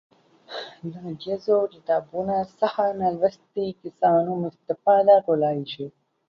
د غږیزو کتابونو څخه نالوستي کسان هم استفاده کولای شي.